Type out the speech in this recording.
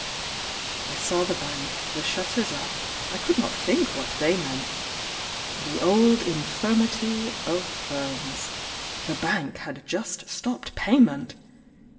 I saw the bank, the shutters up, I could not think what they meant, The old infirmity of firms, The bank had just stopped payment!